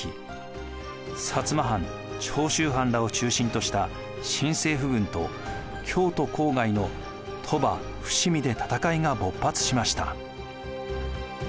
摩藩・長州藩らを中心とした新政府軍と京都郊外の鳥羽・伏見で戦いが勃発しました。